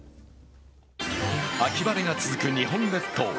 秋晴れが続く日本列島。